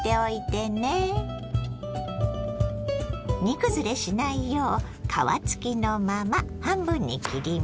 煮崩れしないよう皮付きのまま半分に切ります。